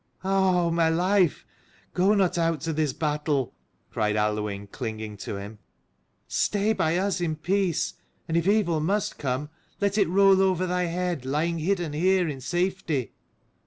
"Ah, my life, go not out to this battle," cried Aluinn, clinging to him. "Stay by us in peace : and if evil must come, let it roll over thy head, lying hidden here in safety."